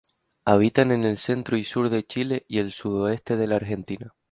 Habitan en el centro y sur de Chile, y el sudoeste de la Argentina.